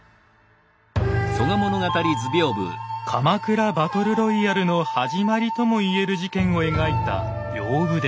鎌倉バトルロイヤルの始まりとも言える事件を描いた屏風です。